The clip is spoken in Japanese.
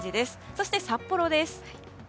そして札幌です。